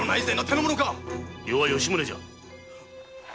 余は吉宗じゃ。